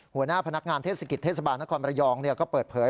หัวหน้าพนักงานเทศกิจเทศบาลนครบรยองก็เปิดเผย